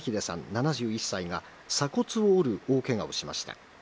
７１歳が、鎖骨を折る大けがをしました。